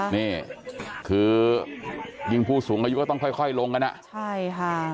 นี่คือยิ่งผู้สูงอายุก็ต้องค่อยลงกันอ่ะใช่ค่ะ